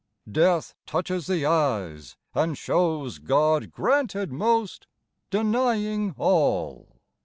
"Death touches the eyes And shows God granted most, denying all!